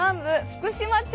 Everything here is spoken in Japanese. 福島町。